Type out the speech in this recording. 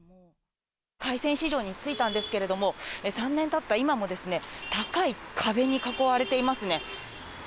海鮮市場に着いたんですけれども、３年たった今もですね、高い壁に囲われていますね。